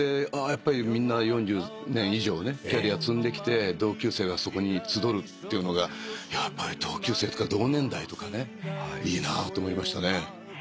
やっぱりみんな４０年以上キャリア積んできて同級生がそこに集うっていうのがやっぱり同級生とか同年代とかいいなあと思いましたね。